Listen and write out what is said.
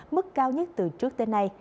mức cao nhất từ trước tới nay